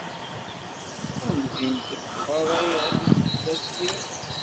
Tamdint meṛṛa yeɣli-d fell-as yiḍ.